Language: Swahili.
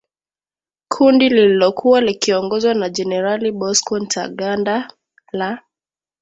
kundi lililokuwa likiongozwa na jenerali Bosco Ntaganda la